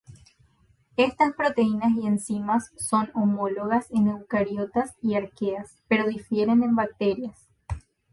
Estas proteínas y enzimas son homólogas en eucariotas y arqueas, pero difieren en bacterias.